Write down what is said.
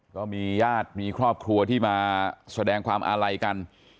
ก็มีญาติมีครอบครัวที่มาแสดงความอาลัยกัน